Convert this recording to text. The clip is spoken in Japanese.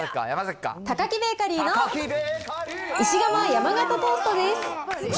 タカキベーカリーの石窯山型トーストです。